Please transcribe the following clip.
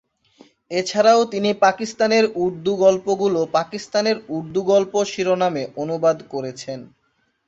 এছাড়াও, তিনি পাকিস্তানের উর্দু গল্পগুলো "পাকিস্তানের উর্দু গল্প" শিরোনামে অনুবাদ করেছেন।